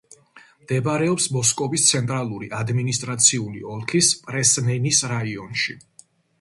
მდებარეობს მოსკოვის ცენტრალური ადმინისტრაციული ოლქის პრესნენის რაიონში.